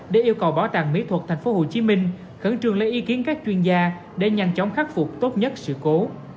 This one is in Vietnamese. để yêu cầu bảo tàng mỹ thuật tp hcm khẩn trương lấy ý kiến các chuyên gia để nhanh chóng khắc phục tốt nhất sự cố